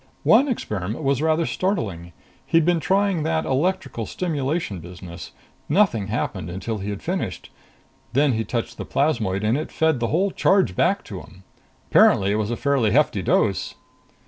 "One experiment was rather startling. He'd been trying that electrical stimulation business. Nothing happened until he had finished. Then he touched the plasmoid, and it fed the whole charge back to him. Apparently it was a fairly hefty dose."